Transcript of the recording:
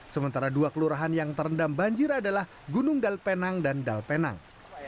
sementara dua kelurahan yang terendam banjir adalah gunung dalpenang dan dalpenang